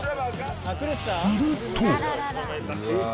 すると。